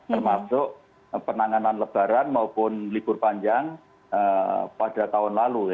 termasuk penanganan lebaran maupun libur panjang pada tahun lalu